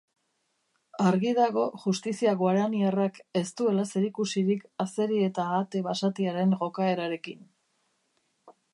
Argi dago justizia guaraniarrak ez duela zerikusirik azeri eta ahate basatiaren jokaerarekin.